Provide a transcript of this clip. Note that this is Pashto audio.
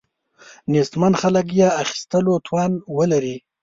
نیستمن خلک یې اخیستلو توان ولري.